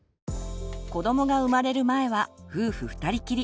子どもが生まれる前は夫婦ふたりきり。